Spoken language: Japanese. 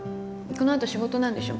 このあと仕事なんでしょ？